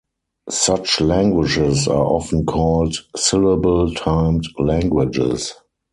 Such languages are often called syllable-timed languages.